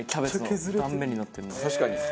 確かに。